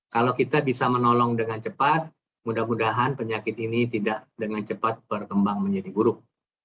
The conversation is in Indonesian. kalau kita bisa menolong dengan cepat mudah mudahan penyakit ini tidak dengan cepat berkembang menjadi buruk